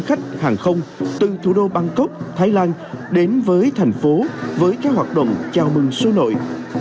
một trăm linh khách hàng không từ thủ đô bangkok thái lan đến với thành phố với các hoạt động chào mừng số nội